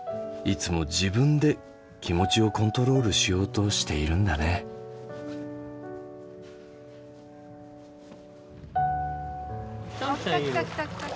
いつも自分で気持ちをコントロールしようとしているんだね。来た来た来た来た！